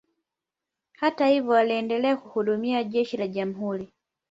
Hata hivyo, aliendelea kuhudumia jeshi la jamhuri.